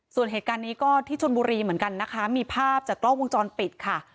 ส่วนเหตุการณ์นี้ก็ที่ชนบุรีเหมือนกันนะคะมีภาพจากกล้องวงจรปิดค่ะ